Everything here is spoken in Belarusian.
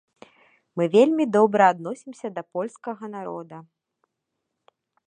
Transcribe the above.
Мы вельмі добра адносімся да польскага народа.